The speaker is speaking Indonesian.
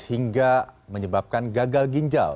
hingga menyebabkan gagal ginjal